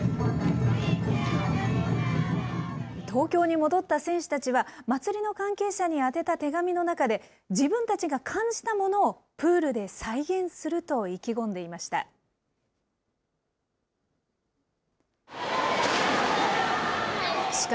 東京に戻った選手たちは、祭りの関係者に宛てた手紙の中で、自分たちが感じたものをプールで再現すると意気込んでいました。